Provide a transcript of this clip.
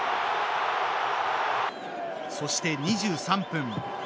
そして、２３分。